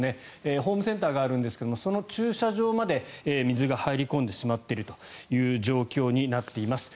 ホームセンターがあるんですけどその駐車場まで水が入り込んでしまっている状況になっています。